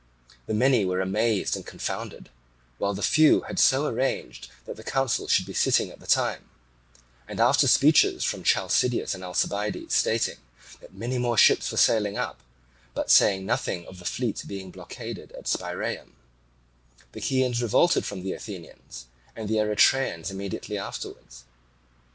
The many were amazed and confounded, while the few had so arranged that the council should be sitting at the time; and after speeches from Chalcideus and Alcibiades stating that many more ships were sailing up, but saying nothing of the fleet being blockaded in Spiraeum, the Chians revolted from the Athenians, and the Erythraeans immediately afterwards.